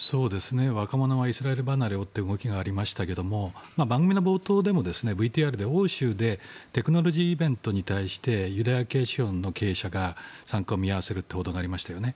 若者もイスラエル離れをという動きがありましたが番組の冒頭のＶＴＲでも欧州でテクノロジーイベントに対してユダヤ系資本の経営者が参加を見合わせるということがありましたよね。